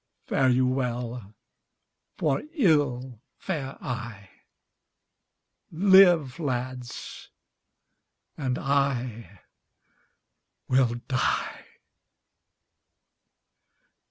Fare you well, for ill fare I: Live, lads, and I will die."